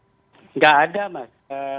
enggak ada mas